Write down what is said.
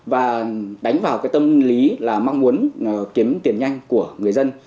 và đánh vào cái tâm lý là mong muốn kiếm tiền nhanh của người dân